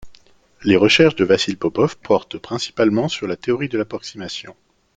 Les recherches de Vasil Popov portent principalement sur la théorie de l'approximation.